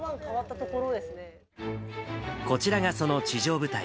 こちらがその地上部隊。